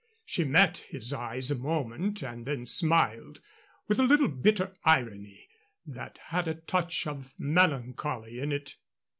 She met his eyes a moment and then smiled with a little bitter irony that had a touch of melancholy in it.